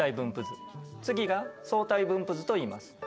図次が相対分布図といいます。